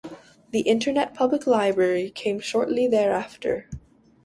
The Internet Public Library came shortly thereafter.